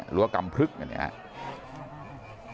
หรือกำพลึกอย่างนี้ครับ